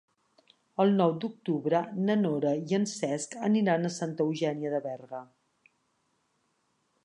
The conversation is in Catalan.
El nou d'octubre na Nora i en Cesc aniran a Santa Eugènia de Berga.